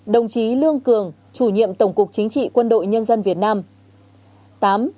đồng chí lương cường chủ nhiệm tổng cục chính trị quân đội nhân dân việt nam